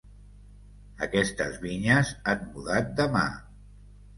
Aquestes vinyes han mudat de mà.